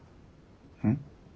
うん？